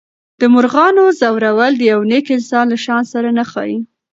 د مرغانو ځورول د یو نېک انسان له شان سره نه ښایي.